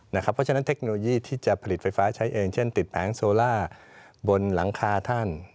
เพราะฉะนั้นเทคโนโลยีที่จะผลิตไฟฟ้าใช้เองเช่นติดแผงโซล่าบนหลังคาท่าน